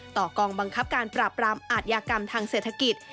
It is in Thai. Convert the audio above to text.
กองบังคับการปราบรามอาทยากรรมทางเศรษฐกิจ